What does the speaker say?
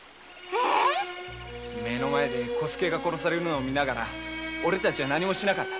目の前で小助が殺されるのを見ながらオレらは何もしなかった。